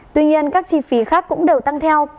tuy nhiên các chi phí khác cũng đều tăng theo